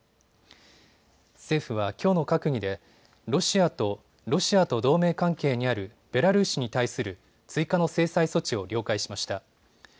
政府はきょうの閣議でロシアと同盟関係にあるベラルーシに対する追加の制裁措置を了解しました。